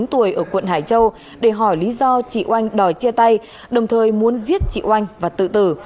bốn mươi tuổi ở quận hải châu để hỏi lý do chị oanh đòi chia tay đồng thời muốn giết chị oanh và tự tử